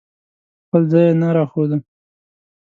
خپل ځای یې نه راښوده.